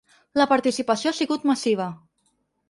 La participació ha sigut massiva.